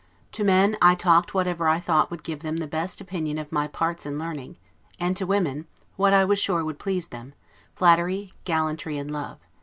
To men, I talked whatever I thought would give them the best opinion of my parts and learning; and to women, what I was sure would please them; flattery, gallantry, and love.